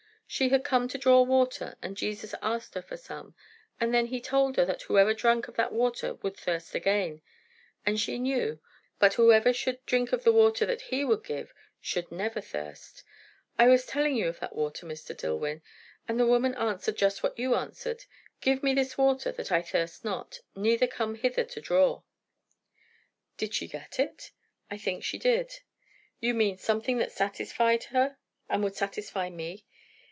She had come to draw water, and Jesus asked her for some; and then he told her that whoever drank of that water would thirst again as she knew; but whoever should drink of the water that he would give, should never thirst. I was telling you of that water, Mr. Dillwyn. And the woman answered just what you answered 'Give me this water, that I thirst not, neither come hither to draw.'" "Did she get it?" "I think she did." "You mean, something that satisfied her, and would satisfy me?"